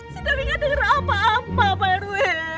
si dewi gak denger apa apa pak rw